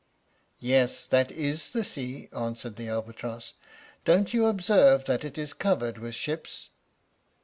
"Yes, that is the sea," answered the albatross. "Don't you observe that it is covered with ships?"